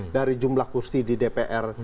dari jumlah kursi di dpr